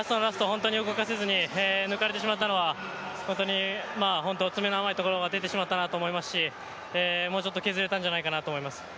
本当に動かせずに抜かれてしまったのは、本当に詰めの甘いところが出てしまったなと思いますしもうちょっと削れたんじゃないかなと思います。